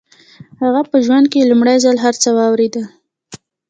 هغه په ژوند کې لومړي ځل هر څه واورېدل.